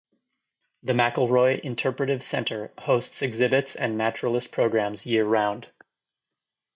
The McElroy Interpretive Center hosts exhibits and naturalist programs year-round.